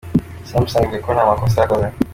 Samsung ivuga ko ata makosa yakoze.